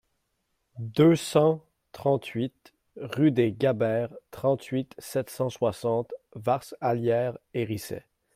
deux cent trente-huit rue des Gaberts, trente-huit, sept cent soixante, Varces-Allières-et-Risset